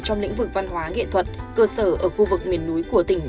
trong lĩnh vực văn hóa nghệ thuật cơ sở ở khu vực miền núi của tỉnh